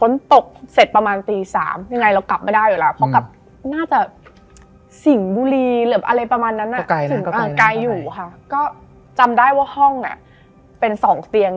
อเรนนี่ส์เดี๋ยวดิสิน